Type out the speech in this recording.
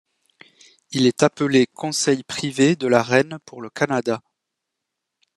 Il est appelé Conseil privé de la Reine pour le Canada.